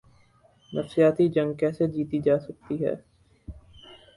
نفسیاتی جنگ کیسے جیتی جا سکتی ہے۔